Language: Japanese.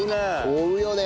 追うよね。